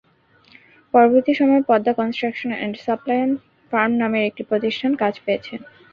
পরবর্তী সময়ে Padma construction and supplies firm নামের একটি প্রতিষ্ঠান কাজ পেয়েছে।